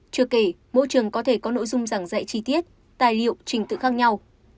chưa kể mỗi trường có thể có nội dung giảng dạy chi tiết tài liệu trình tự khác nhau